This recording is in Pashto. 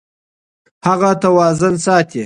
هغه توازن ساتي.